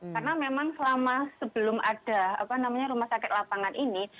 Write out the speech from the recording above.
karena memang selama sebelum ada rumah sakit lapangan ini